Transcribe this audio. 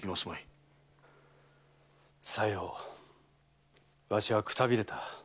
さようわしはくたびれた。